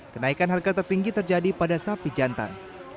kenaikan harga tertinggi terjadi pada sapi jantan